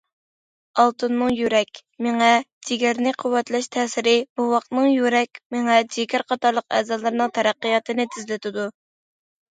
ئالتۇننىڭ يۈرەك، مېڭە، جىگەرنى قۇۋۋەتلەش تەسىرى بوۋاقنىڭ يۈرەك، مېڭە، جىگەر قاتارلىق ئەزالىرىنىڭ تەرەققىياتىنى تېزلىتىدۇ.